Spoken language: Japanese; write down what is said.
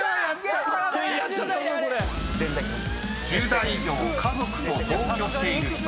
［１０代以上家族と同居している人］